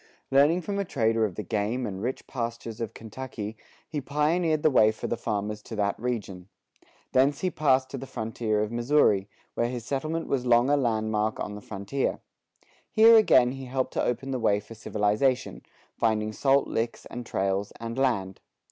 Learning from a trader of the game and rich pastures of Kentucky, he pioneered the way for the farmers to that region. Thence he passed to the frontier of Missouri, where his settlement was long a landmark on the frontier. Here again he helped to open the way for civilization, finding salt licks, and trails, and land.